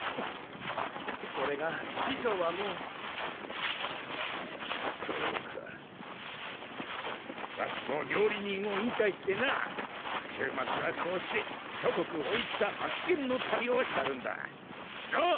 それが師匠はもうそうかわしも料理人を引退してな週末はこうして諸国おいしさ発見の旅をしとるんだなっ宏輔！